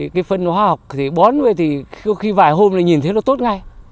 cái phân hoa học thì bón ngay thì có khi vài hôm là nhìn thấy nó tốt ngay